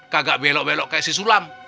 kagak belok belok kayak si sulam